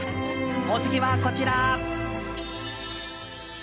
お次は、こちら。